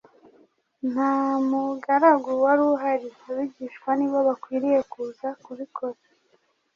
nt'a mugaragu wari uhari, abigishwa ni bo bakwiriye kuza kubikora.